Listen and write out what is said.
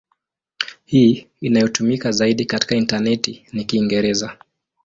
Hii inayotumika zaidi katika intaneti ni Kiingereza.